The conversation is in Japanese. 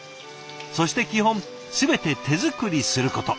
そして基本全て手作りすること。